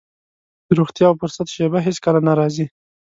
د روغتيا او فرصت شېبه هېڅ کله نه راځي.